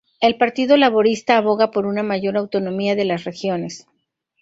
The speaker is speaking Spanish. El partido laborista aboga por una mayor autonomía de las regiones.